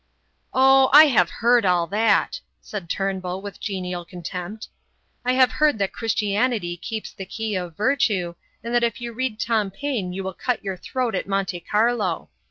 "Oh, I have heard all that!" said Turnbull with genial contempt. "I have heard that Christianity keeps the key of virtue, and that if you read Tom Paine you will cut your throat at Monte Carlo.